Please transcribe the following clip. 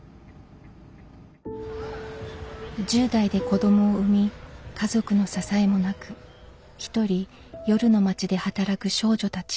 １０代で子どもを産み家族の支えもなく独り夜の街で働く少女たち。